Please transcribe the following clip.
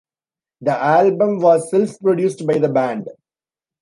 The album was self-produced by the band.